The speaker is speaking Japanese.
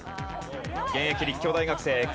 現役立教大学生。